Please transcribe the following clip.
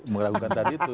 meragukan tadi itu